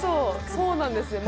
そうなんです。